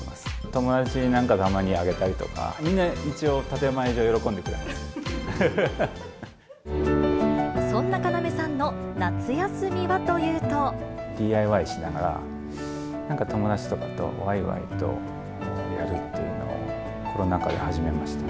友達になんかたまにあげたりとか、みんな一応、建て前上、そんな要さんの夏休みはといＤＩＹしながら、友達とかとわいわいとやるっていうのをコロナ禍で始めました。